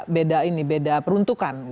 beda ini beda peruntukan